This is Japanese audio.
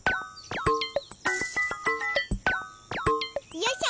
よいしょ。